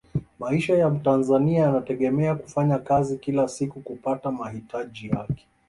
maisha ya mtanzania yanategemea kufanya kazi kila siku kupata mahitaji yake